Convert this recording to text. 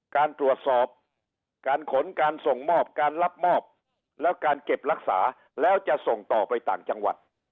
การตรวจสอบการขนการส่งมอบการรับมอบแล้วการเก็บรักษาแล้วจะส่งต่อไปต่างจังหวัด